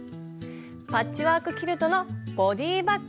パッチワークキルトのボディーバッグ。